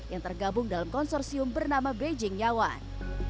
yang tergabung dalam konsorsium bernama beijing yawan